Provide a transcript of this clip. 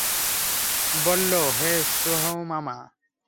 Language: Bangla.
বলল, হে সুমামা!